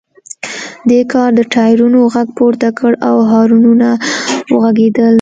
دې کار د ټایرونو غږ پورته کړ او هارنونه وغږیدل